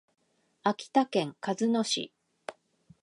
秋田県鹿角市